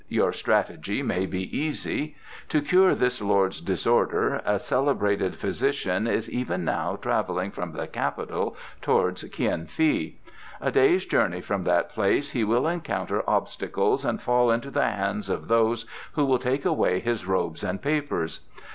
"Your strategy will be easy. To cure this lord's disorder a celebrated physician is even now travelling from the Capital towards Kien fi. A day's journey from that place he will encounter obstacles and fall into the hands of those who will take away his robes and papers.